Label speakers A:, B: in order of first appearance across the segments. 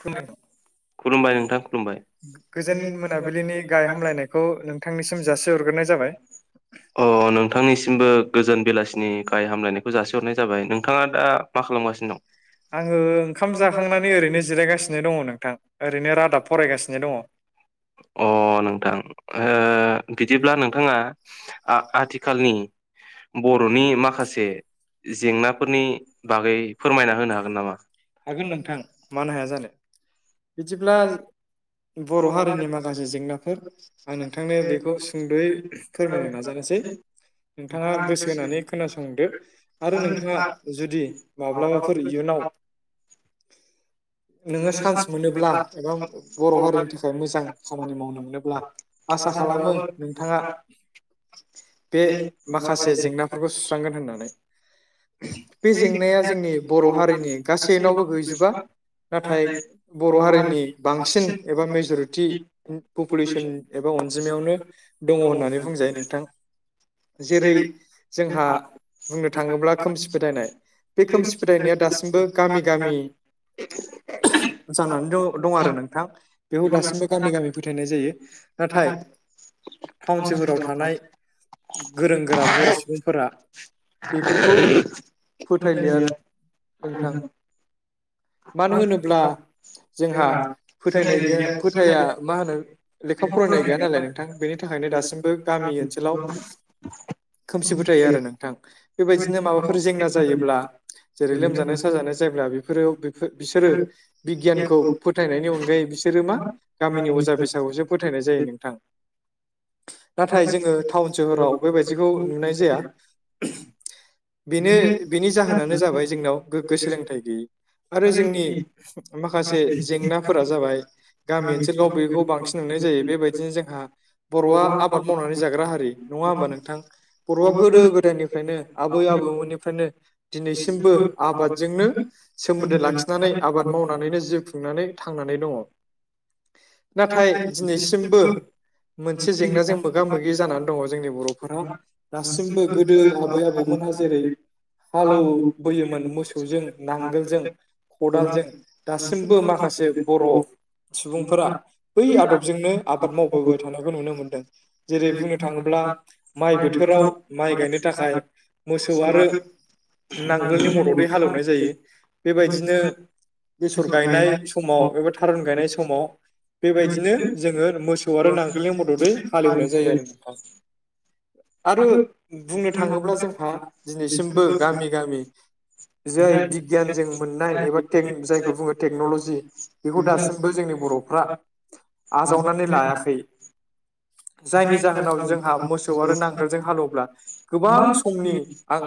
A: खुलिनाय
B: खुलुमबाय नोंथां खुलुमबाय
A: गोजोन मोनाबिलिनि गाहाय हामलायनायखौ नोंथांनिसिम जासि हरग्रोनाय जाबाय।
B: अ नोंथांनिसिमबो गोजोन बेलासिनि गाहाय हामलायनायखौ जासिहरनाय जाबाय नोंथाङा दा मा खालामगासिनो दं?
A: आङो ओंखाम जाखांनानै ओरैनो जिरायगासिनो दङ नोंथां। ओरैनो रादाब फरायगासिनो दङ।
B: अ नोंथां बिदिब्ला नोंथाङा आथिखालनि बर'नि माखासे जेंनाफोरनि बागै फोरमायना होनो हागोन नामा?
A: हागोन नोंथां मानो हाया जानो? बिदिब्ला बर' हारिनि माखासे जेंना फोरा आं नोंथांनो बेखौ सुंद'यै फोरमायनो नाजानोसै नोंथाङा गोसो होनानै खोनासंदो आरो नोंथाङा जुदि माब्लाबाफोर इयुनाव [inaudible] चान्स
B: नोङो
A: मोनोब्ला एबा
B: सान
A: बर' हारिनि
B: मोनोबब्ला
A: थाखाय मोजां
B: बर'
A: खामानि मावनो मोनोब्ला
B: हारिनिामानि
A: आसा
B: माव
A: खालामो नोंथाङा
B: आ खालामनो बे
A: माखासे जेंनाफोरखौ सुस्रांगोन होननानै बे जेंनाया जोंनि बर' हारिनि गासैनावबो गैजोबा नाथाय बर' हारिनि बांसिन एबा मेज'रिटि पपुलेसन एबा अनजिमायावनो दङ होननानै बुंजायो नोंथां। जेरै जोंहा बुंनो थाङोब्ला खोमसि फोथायनाय बे खोमसि फोथायनाया दासिमबो गामि गामि जानानै द दं आरो नोंथां बेखौ दासिमबो गामि गामि फोथायनाय जायो नाथाय टाउन सोहोराव थानाय गोरों गोरा बर' सुबुंफोरा बेफोरखौ फोथायलिया। नोंथां। मानो होनोब्ला जोंहा फोथायनाय फोथाया मा होनो लेखा फराय नाय गैया नालाय नोंथां बेनि थाखायनो दासिमबो गामि ओनसोलाव
B: [unintelligible]
A: खोमसिबो थायो आरो नोंथां बेबायदिनो माबाफोर जेंना जायोब्ला जेरै लोमजानाय साजानाय जायब्ला बेफोर बिसोरो बिगियानखौ फोथायनायनि अनगायै बिसोरो मा गामिनि अजा बेसाद फोथायनाय ज नोंथां नाथाय जोंङो टाउन सोहोराव बेबायाददिखौ नुनाय जाया। बेनो बेनि जाहोनानो जाबाय जोंनाव गोग्गो सोलोंथाइ गैयै। आरो जोंनि माखासे जेंनाफोरा जाबाय गामि ओनसोलफ्राव बेखौ बांसिन ननो। जायो बेबायदिनो जों बर'आ आबाद मावनानै जाग्रा हा रि नङा होमबा नोंथां बर'आ गोदो गोदायनिफ्रायनो आबै आबौमोननिफ्रायनो दिनैसिम बो आबादजोंनो सोमोन्दो लाखिनानै आबाद मावनानैनो जिउ खुंनानै थांनानै दङ। नाथाय दिनैसिमबो मोनसे जेंनाजों मोगा मोगि जानानै दङ जोंनि बर'फोरा दासिमबो गोदो आबै आबौमोनहा जेरै हालौवबोयोमोन मोसौजों नांगोलजों खदालजों दासिमबो माखासे बर' सुबुंफोरा बै आदबजोंनो आबाद मावबोबाय थानायखौ नुनो मोनदों जेरै बुङ थाङोब्ला माइ बोथोराव माइ गायनो थाखाय मोसौ आरो नांगोलनि मददै हालेवनाय जायो बेबायदिनो बेसर गायनाय समाव एबा थारुन गायनाय समाव बेबायदि बिदिनो जोङो मोसौ आरो नांगोलनि मददै हालेवनाय जायो आरो नोंथां।
B: आरो बज
A: बुंनो थाङोब्ला जोंहा
B: थ्ला
A: दिनैसिमबो
B: जोंनानैसिमबो
A: गामि गामि जाय बिगियानजों मोननाय एबा जायखौ बुङो टेक्न'ल'जि बेखौ
B: बि
A: दासिमबो जोंनि बर'फ्रा
B: [unintelligible] आजावनानै लाखि
A: जायनि
B: जाय
A: जाहोनाव जोंहा मोसौ आरो नांगोलजों हालेव्ला गोबां समनि आं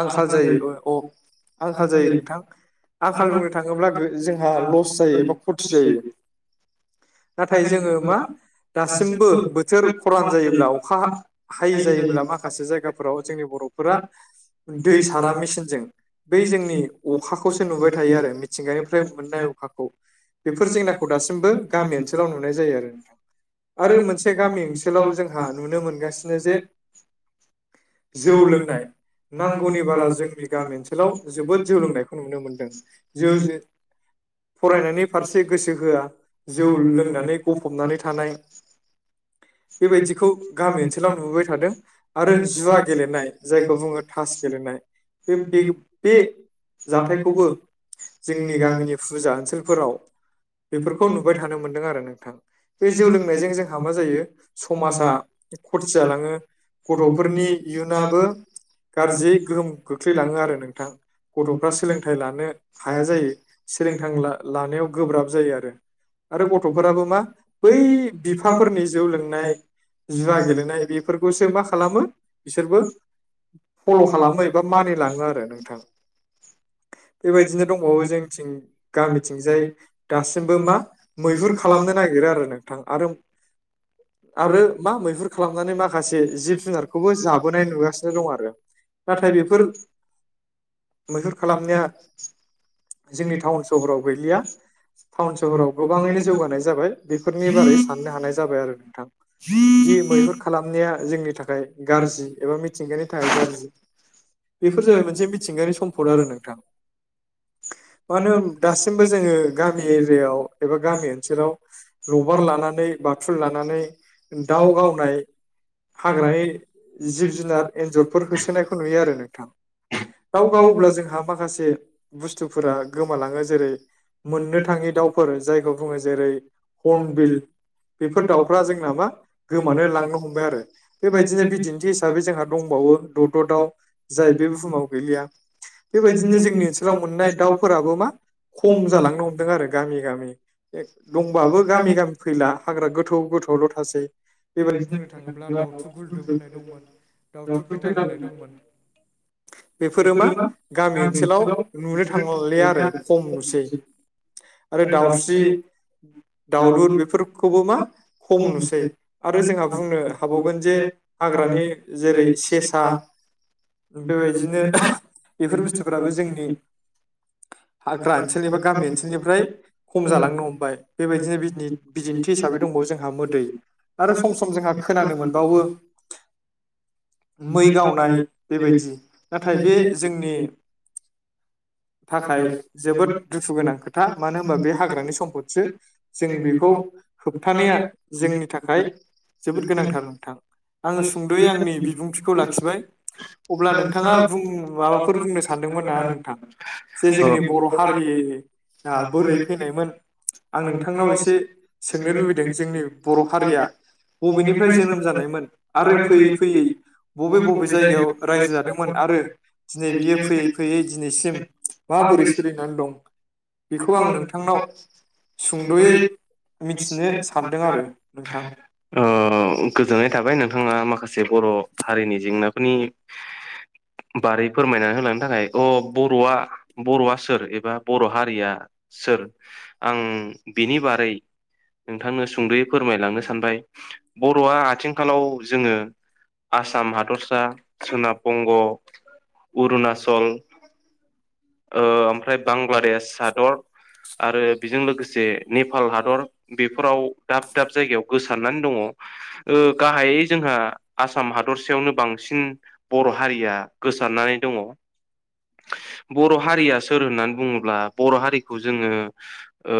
A: आंखाल जायो अ आंखाल जायो नोंथां। आंखाल बुंनो थाङोब्ला जोंहा लस जायो एबा खथि जायो। नाथाय जोङो मा दासिमबो
B: बे
A: फान जायोब्ला अखा हायि जायोब्ला माखासे जायगाफोराव जोंनि बर'फोरा दै सारा मेसिनजों बै जोंनि अखाखौसो नुबाय थायो आरो मिथिंगानिफ्राय मोननाय अखाखौ बेफोर जेंनाखौ दासिमबो गामि ओनसोलाव नुनाय जायो आरो आरो मोनसे आथिखालाव जोंहा नुनो मोनगासिनो जे जौ लोंनाय नांगौनि बारा जोंनि गामि ओनसोलाव जोबोद जौ लोंनायखौ नुनो मोनदों जौ ज [inaudible] फरायनायनि फारसे गोसो होआ जौ लोंनानै गफबनानै थानाय। बेबायदिखौ गामि ओनसोलाव नुबोबाय थादों आरो जुवा गेलेनाय जायखौ बुङो थास [inaudible] गेलेनाय बे बे जाथायखौबो जोंनि गामिनि फुजा ओनसोलफोराव बेफोरखौ समाजा गाज्रि गथ'फ्रा आरो नाय जुवा गेलेनाय बेफोरखौसो मा खालामो बिसोरबो [inaudible] फल' खालामलायो बा मानि लाङो आरो नोंथां बेबायदिनो दंबावो जोंथिं [inaudible] गामिथिंजाय दासिमबो मा मैहुर खालामनो नागिरो आरो नोंथां आरो [inaudible] [inaudible]
B: आरो
A: मा मैहुर
B: माखासे
A: खालामनानै माखासे
B: जाय
A: जिब जुनारखौबो
B: हगासिनो
A: जाबोनाय नुगासिनो
B: दङ
A: दं आरो
B: [inaudible]
A: नाथाय बेफोर
B: ह [inaudible]
A: मैहुर खालामनाया जोंनि टाउन सहराव गैलिया [inaudible] टाउन सहराव गोबाङैनो जौगानाय जाबाय दि मैहुर खालामनाया जोंनि थाखाय गारजि एबा मिथिंगानि थाखाय गारजि बेफोर जाबाय मोनसे मिथिंगानि सम्फद आरो नोंथां [inaudible] मानो होम दासिमबो जोङो गामि एरियायाव एबा गामि ओनसोलाव रबार लानानै गोबां बाथुल लानानै दाव गावनाय हाग्रानि जिब जुनार एन्जरफोर होसोनायखौ नुयो आरो नोंथां [inaudible] दाव गाव्ला जोंहा माखासे बुस्थुफोरा गोमालाङो जेरै [inaudible] मोननो थाङि दाउफोर जायखौ बुङो जेरै हर्नबिल बेफोर दाउ [inaudible] फ्रा जोंना मा गोमानो लांनो हमबाय आरोबेबादिनो बिदिन्थि हिसाबै जोंना दंबावो दाउ जाय बे बुहुमाव गैलिया बेबायदिनो जोंनि ओनसोलाव मोननाय दाउफोराबो मा खम जालांनो हमदों आरो गामि गामि ए दंबाबो गामि गामि फैला हाग्रा गोथौ गोथौल' थासै [inaudible] बेबायदि बुंनो थाङोब्ला दाउथु गुलदुब होननाय दंमोन दाउथु फेथाल होननाय दंमोन [inaudible] [inaudible] [inaudible] बेफोरो मा गामि ओनसोलाव नुनो थांलाले आरो खम नुसै आरो दाउस्रि दाउलुर बेफोरखौबो मा खम नुसै आरो जोंहा बुंनो हाबावगोन जे हाग्रानि जेरै सेसा बेबायदिनो बेफोर बुसथुफोराबो जोंनि हाग्रा ओनसोलनि एबा गामि ओनसोलनिफ्राय खम जालांनो हमबाय बेबायदिनो बिदिन्थि हिसाबै दंबावो जों जोंहा मोदै आरो सम सम जोंहा खोनानो मोनबावो मै गावनाय बेबादि नाथाय बे जोंनि थाखाय जोबोद दुखु गोनां खोथा मानो होमबा बे हाग्रानिसम्पदसो जों बेखौ खौ होबथानाया जोंनि थाखाय [inaudible] जोबोद गोनांथार नोंथां आङो सुंद'यै आंनि बिबुंथिखौ लाखिबाय [inaudible] अब्ला नोंथाङा बुं माबाफोर बुंनो सानदोंमोन ना नोंथां जे
B: ओ
A: जोंनि बर' हारिया बोरै फैनायमोन [inaudible] आं नोंथांनाव एसे सोंनो लुबैदों जोंनि बर' हारिया बबेनिफ्राय जोनोम जानायमोन आरो फैयै फैयै बबे बबे जायगायाव रायजो जादोंमोन आरो दिनै बियो फोयै फोयै दिनैसिम माबोरै सोलिनानै दं बेखौ आं नोंथांनाव सुंदयै मिथिनो सानदों आरो नोंथां
B: ओ गोजोननाय थाबाय नोंथाङा माखासे [inaudible] बर' हारिनि जेंनाफोरनि बारै फोरमायनानै होलांनो थाखाय अ बर बर'आ सोर? एबा बर' हारिया सोर? आं बिनि बारै नोंथांनो सुंद'यै फोरमायलांनो सानबाय बर'आ आथिंखालाव जोङो आसाम हादरसा सोनाब बंग' अरुनाचल
A: [inaudible]
B: ओ ओमफ्राय बांलादेस हादर आरो बेजों लोगोसे नेफाल हादर बेफोराव दाब दाब जायगायाव गोसारनानै दङ ओ गाहायै जोंहा आसाम हादरसेयावनो बांसिन बर' हारिया गोस सारनानै दङ
A: [inaudible]
B: बर' हारिया सोर होननानै बुङोब्ला बर' हारिखौ जोङो ओ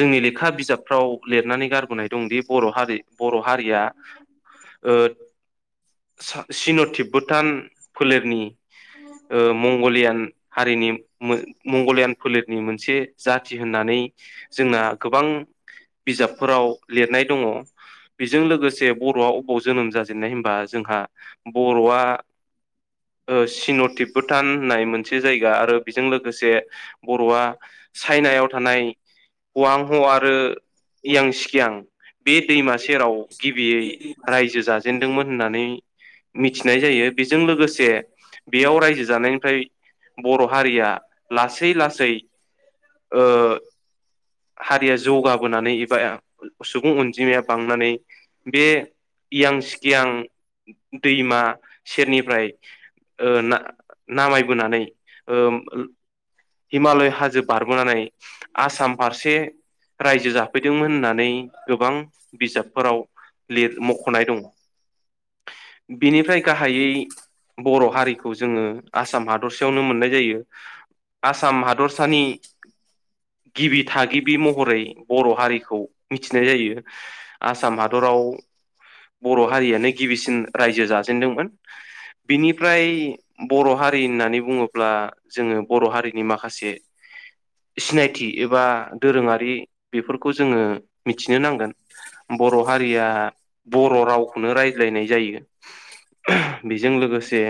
B: जोंनि लेखा बिजाबफ्राव लिरनानै गारबोनाय दंदि बर' हारि बर' हारिया ओ सा सिन' थिबबुथान फोलेरनि ओ मंग'लिया हारिनि मो मंग' लियान फोलेरनि मोनसे जाथि होननानै जोंना गोबां बिजाबफोराव लिरनाय दङ। बेजों लोगोसे बर'आ अबाव जोनोम जाजेननाय होनबा जों हा बर'आ
A: [inaudible]
B: ओ सिन'थिबबुथान होननाय मोन- जायगा आरो बेजों लोगोसे बर'आ साइनायाव थानाय हवां ह' आरो इयां सिकयां बे दैमा सेराव गिबियै रायजो जाजेनदोंमोन होननानै मिथिनाय जायो बेजों लोगोसे बेयाव रायजो जानायनिफ्राय बर' हारिया लासै लासै ओ हारिया जौगाबोनानै एबा सुबुं अनजिमाया बांनानै बे इयां सिकियां दैमा सेरनिफ्राय ओ ना नामायबोनानै ओम ओ हिमालय हाजो बारबोनानै आसाम फारसे रायजो जाफैदोंमोन होननानै गोबां बिजाबफोराव लिर मख'नाय दं। बिनिफ्राय गाहायै बर' हारिखौ जोङो आसाम हादरसेयावनो मोननाय जायो आसाम हादरसानि गिबि थागिबि महरै बर' हारिखौ मिथिनाय जायो आसाम हादराव बर' हारियानो गिबिसिन रायजो जाजेनदोंमोन बिनिफ्राय बर' हारि होननानै बुङोब्ला जोङो बर' हारि नि माखासे सिनाय थि एबा दोरोङारि बेफोरखौ जोङो मिथिनो नांगोन बर' हारिया आ बर' रावखौनो रायलायनाय जायो। ओह बेजों लोगोसे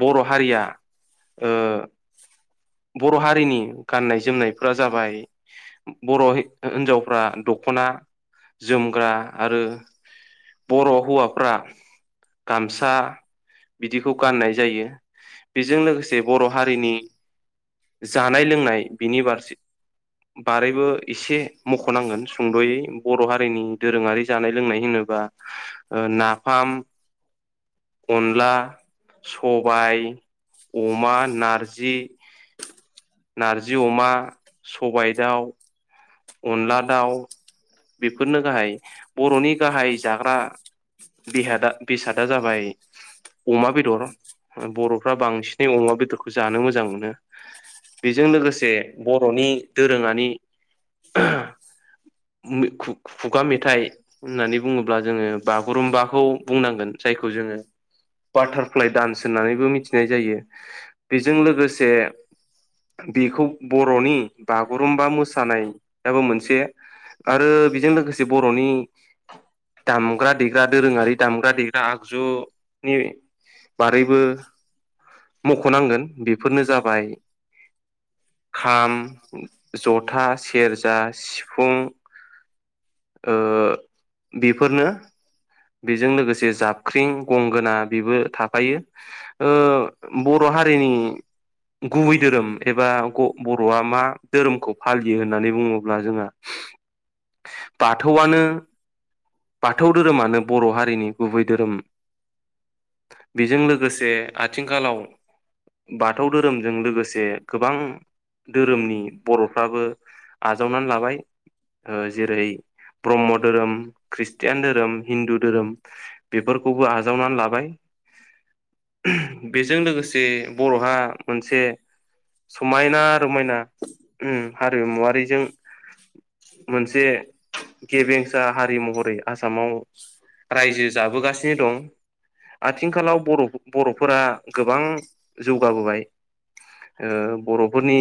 B: बर' हारिया ओ बर' हारिनि गाननाय जोमनायफोरा जाबाय बर' हि-हिन्जावफ्रा दख'ना जोमग्रा आरो बर' हौवाफ्रा गामसा बिदिखौ गाननाय जायो। बेजों लोगोसे बर' हारिनि जानाय लोंनाय बिनि बफारसे बारैबो इसे मख'नांगोन सुंद'यै बर' हारिनि दोरोङारि जानाय लोंनाय होनोबा ओ नाफाम
A: [inaudible]
B: अनला स'बाय अमा नारजि नार जि अमा सबाय दाउ अनला दाउ बेफोरनो गाहाय। बर'नि गाहाय जाग्रा बेसादा जाबाय अमा बेदर। बर'फ्रा बांसिनै अमा बेदरखौ जानो मोजां मोनो। बेजों लोगोसे बर'नि दोरोङानि
A: [inaudible]
B: खु-खुगा मेथाइ होननानै बुङोब्ला जोङो बागुरुम्बाखौ बुंनांगोन। जायखौ जों [unintelligible] बाटारफ्लाइ दान्स होननानैबो मिथिनाय जायो। बेजों लोगोसे बेखौ बर'नि बागुरुम्बा मोसानायाबो मोनसे आरो बेजों लोगोसे बर'नि दामग्रा देग्रा दोरोङारि दामग्रा देग्रा आगजुनि बारैबो
A: [unintelligible]
B: मख'नांगोन, बेफोरनो जाबाय खाम, जथा, सेरजा, सिफुं। ओ बेफोरनो। बेजों लोगोसे जाबख्रिं, गंगोना बेबो थाफायो ओ बर' हा हारिनि गुबै धोरोम एबा ग' बर'आ मा धोरोमखौ फालियो होननानै बुङोब्ला जों [unintelligible] बाथौआनो बाथौ धोरोमानो बर' हारिनि गुबै धोरोम बेजों लोगोसे आथिं गालाव बाथौ धोरोमजों लोगोसे गोबां धोरोमनि बर'फ्राबो आजावनानै लाबाय। ओ जेरै ब्रह्म धोरोम, ख्रिष्टियान धोरोम, हिन्दु धोरोम बेफोरखौबो आजावनानै लाबाय। बेजों लोगोसे बर'हा मोनसे समायना रमायना उम हारिमुवारिजों
A: मोनसे
B: गेबेेंसा हारि महरै आसामाव रायजो जाबोगासिनो दं। आथिंखालाव बर'फ-बर'फोरा गोबां जौगाबोबाय। ओ बर'फोरनि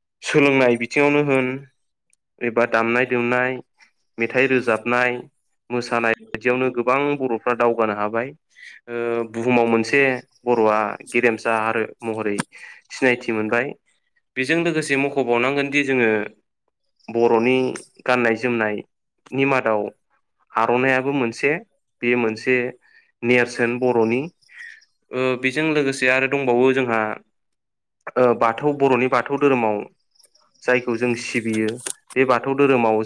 A: [inaudible]
B: नो होन एबा दामनाय देमनाय मेथाइ रोजाबनाय मोसानाय बायदियावनो गोबां बर'फ्रा दावगानो हाबाय। ओ बुहुमाव मोनसे बर'आ गेरेमसा आरो महरै सिनायथि मोनबाय। बेजों लोगो से मख'बावनांगोनदि जोङो बर'नि गाननाय जोमनायनि मादाव आर'नायाबो मोनसे बेयो मोनसे नेरसोन बर'नि ओ बेजों लोगोसे आरो दंबावो जोंहा ओ बाथौ बर'नि बाथौ धोरोमाव जायखौ जों सिबियो बे बाथौ धोरोमाव